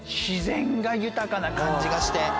自然が豊かな感じがして。